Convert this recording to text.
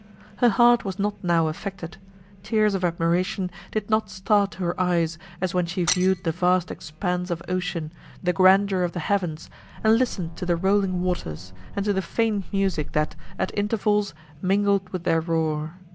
Her heart was not now affected, tears of admiration did not start to her eyes, as when she viewed the vast expanse of ocean, the grandeur of the heavens, and listened to the rolling waters, and to the faint music that, at intervals, mingled with their roar.